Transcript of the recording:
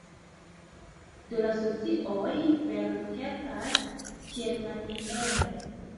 Do la socioj vere helpas tielmaniere.